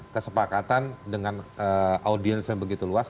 kesepakatan dengan audiens yang begitu luas